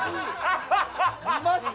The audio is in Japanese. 見ました？